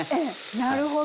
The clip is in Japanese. なるほど。